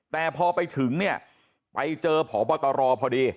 แต่พอไปถึงเนี่ยไปเจอผอบตรพอดี